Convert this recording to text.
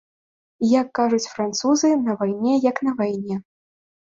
Як кажуць французы, на вайне як на вайне.